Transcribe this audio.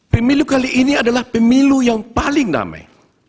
pemilu kali ini adalah pemilu yang paling damai